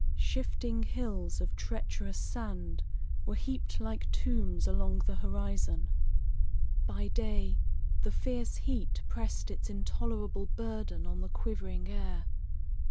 Shifting hills of treacherous sand were heaped like tombs along the horizon. By day, the fierce heat pressed its intolerable burden on the quivering air.